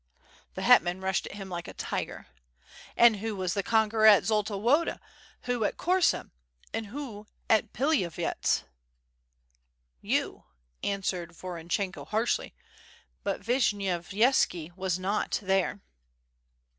The hetman rushed at him like a tiger. "And who was the conqueror at Zolta Woda, who at Kor sum, and at Pilavyets?" "You," answered Voronchenko harshly, "but Vishnyovy etski was not there."